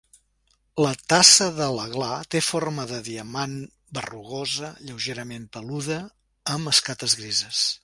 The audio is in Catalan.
La tassa de la gla té forma de diamant, berrugosa, lleugerament peluda, amb escates grises.